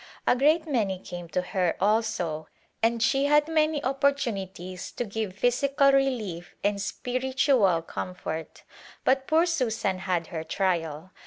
A great many came to her, also, and she had many opportunities to give physical relief and spiritual comfort. But poor Susan had her trial.